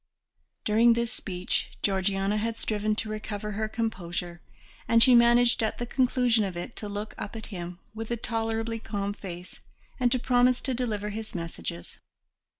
During this speech Georgiana had striven to recover her composure, and she managed at the conclusion of it to look up at him with a tolerably calm face and to promise to deliver his messages.